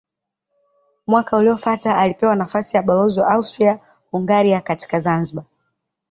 Mwaka uliofuata alipewa nafasi ya balozi wa Austria-Hungaria katika Zanzibar.